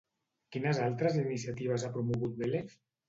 Quines altres iniciatives ha promogut Vélez?